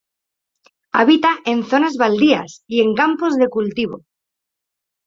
Habita en zonas baldías y en campos de cultivo.